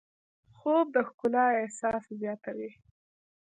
خوب د ښکلا احساس زیاتوي